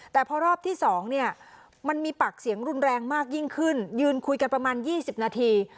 แต่พอรอบที่๒เนี่ยมันมีปากเสียงรุนแรงมากยิ่งขึ้นยืนคุยกันประมาณ๒๐นาที